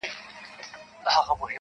د زمان په لاس کي اوړمه زمولېږم-